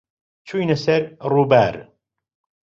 چووینە سەر ڕووبار.